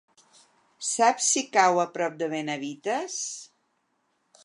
Saps si cau a prop de Benavites?